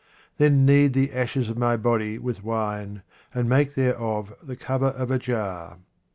Then knead the ashes of my body with wine, and make thereof the cover of a jar.